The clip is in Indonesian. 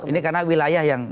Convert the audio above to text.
ini karena wilayah yang